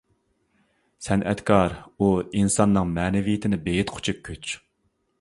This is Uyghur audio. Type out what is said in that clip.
سەنئەتكار ئۇ ئىنساننىڭ مەنىۋىيىتىنى بېيىتقۇچى كۈچ.